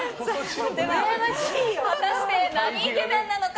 果たしてなにイケメンなのか。